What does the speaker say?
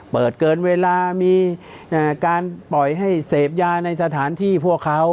เปิดเกินเวลามีการปล่อยให้เสพยาในสถานที่พวกเขา